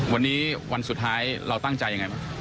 วันนี้วันสุดท้ายเราตั้งใจยังไงบ้าง